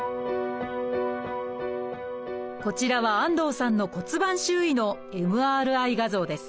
こちらは安藤さんの骨盤周囲のＭＲＩ画像です。